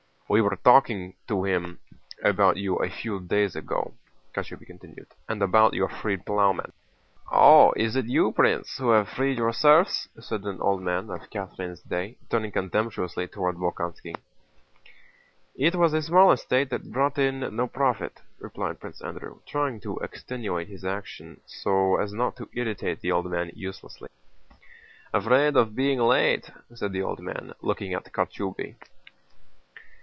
"We were talking to him about you a few days ago," Kochubéy continued, "and about your freed plowmen." "Oh, is it you, Prince, who have freed your serfs?" said an old man of Catherine's day, turning contemptuously toward Bolkónski. "It was a small estate that brought in no profit," replied Prince Andrew, trying to extenuate his action so as not to irritate the old man uselessly. "Afraid of being late..." said the old man, looking at Kochubéy.